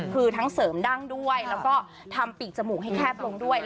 คือทั้งเสริมดั้งด้วยแล้วก็ทำปีกจมูกให้แคบลงด้วย